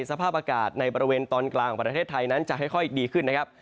สภาพอากาศในบริเวณตอนกลางของประเทศไทยนั้นจะค่อยดีขึ้นนะครับ